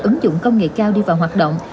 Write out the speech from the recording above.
ứng dụng công nghệ cao đi vào hoạt động